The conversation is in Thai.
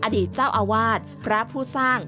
อดีตเจ้าอาวาสพระผู้สร้าง